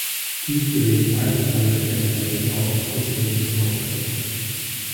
Tief bewegt und peinlich berührt erkennt Mary, wie aussichtslos ihre Liebe zu Rogers ist.